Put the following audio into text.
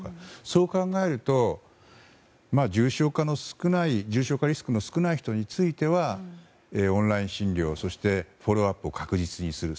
そう考えると重症化リスクの少ない人についてはオンライン診療、そしてフォローアップを確実にする。